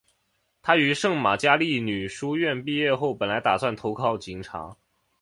她于圣玛加利女书院毕业后本来打算投考警察。